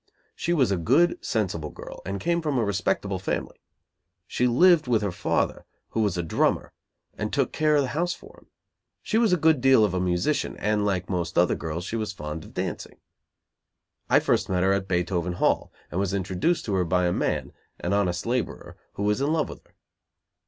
She was a good, sensible girl, and came from a respectable family. She lived with her father, who was a drummer, and took care of the house for him. She was a good deal of a musician, and, like most other girls, she was fond of dancing. I first met her at Beethoven Hall, and was introduced to her by a man, an honest laborer, who was in love with her.